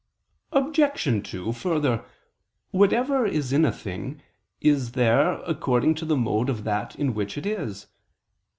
Obj. 2: Further, whatever is in a thing, is there according to the mode of that in which it is.